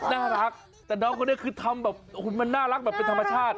น่ารักแต่น้องคนนี้คือทำแบบโอ้โหมันน่ารักแบบเป็นธรรมชาติ